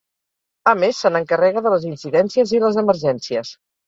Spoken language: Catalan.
A més se n'encarrega de les incidències i les emergències.